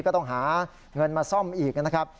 ก็ต้องหาเงินมาซ่อมอีกนะครับ